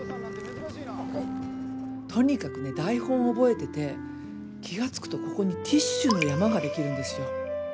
とにかくね台本覚えてて気が付くとここにティッシュの山ができるんですよ。